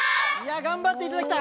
頑張っていただきたい。